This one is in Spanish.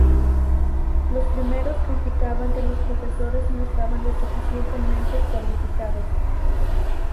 Los primeros criticaban que los profesores no estaban lo suficientemente cualificados.